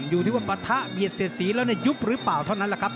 อยู่ที่ว่าปะทะเบียดเสียดสีแล้วยุบหรือเปล่าเท่านั้นแหละครับ